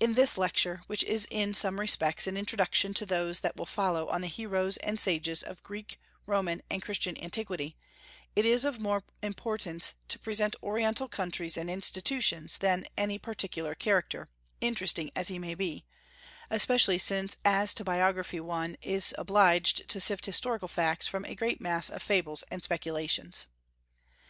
In this lecture, which is in some respects an introduction to those that will follow on the heroes and sages of Greek, Roman, and Christian antiquity, it is of more importance to present Oriental countries and institutions than any particular character, interesting as he may be, especially since as to biography one is obliged to sift historical facts from a great mass of fables and speculations.